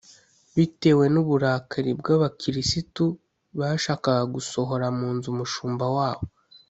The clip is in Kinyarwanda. bitewe n’uburakari bw’abakirisitu bashakaga gusohora mu nzu umushumba wabo